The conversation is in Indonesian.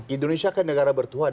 indonesia kan negara bertuhan